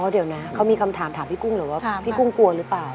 เดี๋ยวนะเขามีคำถามถามพี่กุ้งหรือว่าพี่กุ้งกลัวหรือเปล่า